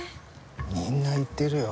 みんな言ってるよ。